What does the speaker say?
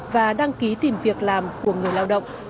và đăng ký tìm việc làm của người lao động